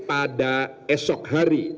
pada esok hari